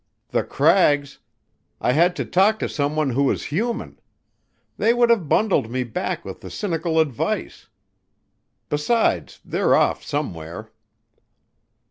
"'The Crags'! I had to talk to some one who was human. They would have bundled me back with cynical advice besides, they're off somewhere."